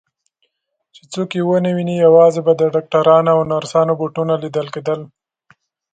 چې څوک یې ونه ویني، یوازې به د ډاکټرانو او نرسانو بوټونه لیدل کېدل.